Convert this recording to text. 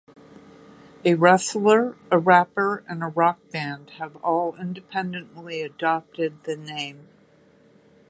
A wrestler, a rapper, and a rock band have all independently adopted the name.